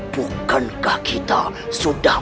bukankah kita sudah